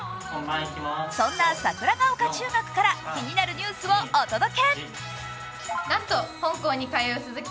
そんな桜丘中学から気になるニュースをお届け。